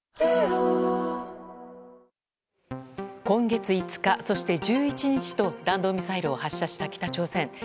今月５日、そして１１日と弾道ミサイルを発射した北朝鮮。